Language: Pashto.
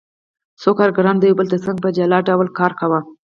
څو کارګرانو یو د بل ترڅنګ په جلا ډول کار کاوه